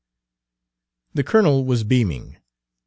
The colonel was beaming.